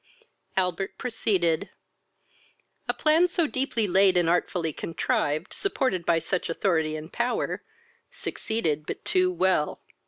Albert proceeded. "A plan so deeply laid and artfully contrived, supported by such authority and power, succeeded but too well.